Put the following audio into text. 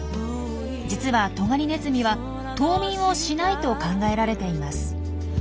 実はトガリネズミは冬眠をしないと考えられています。